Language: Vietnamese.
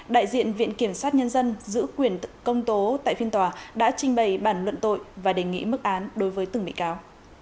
đại diện viện kiểm sát nhân dân giữ quyền công tố tại phiên tòa đã trình bày bản luận tội và đề nghị mức án đối với từng bị cáo